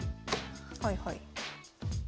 はいはい。